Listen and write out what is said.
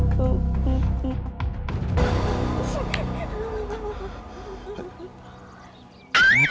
ควรอยู่กลัวไว้